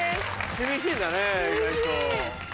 厳しいんだね意外と。